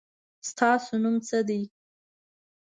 ستاسو نوم څه دی؟